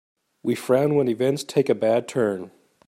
We frown when events take a bad turn.